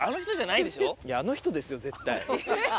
いやあの人ですよ絶対。